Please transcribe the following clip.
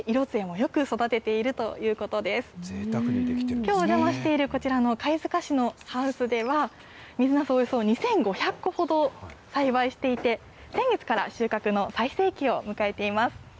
きょうお邪魔しているこちらの貝塚市のハウスでは、水なすおよそ２５００個ほど栽培していて、先月から収穫の最盛期を迎えています。